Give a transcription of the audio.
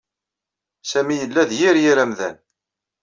Sami yella d yir yir amdan.